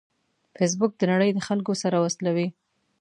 فېسبوک د نړۍ د خلکو سره وصلوي